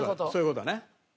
そういう事だね。